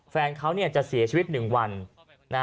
แฟนเขาจะเสียชีวิต๑วัน